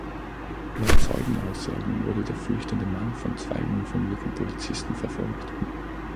Laut Zeugenaussagen wurde der flüchtende Mann von zwei uniformierten Polizisten verfolgt.